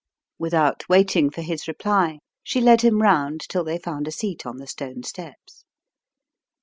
Without waiting for his reply she led him round till they found a seat on the stone steps.